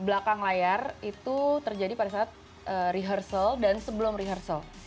belakang layar itu terjadi pada saat rehearsal dan sebelum rehearsal